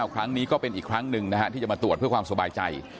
ครั้งนี้ก็เป็นอีกครั้งหนึ่งที่จะมาตรวจเพื่อความสบายใจ